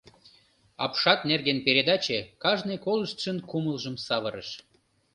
Апшат нерген передаче кажне колыштшын кумылжым савырыш.